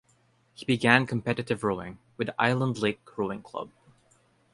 He began competitive rowing with the Island Lake Rowing Club.